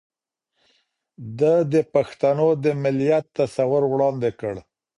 ده د پښتنو د مليت تصور وړاندې کړ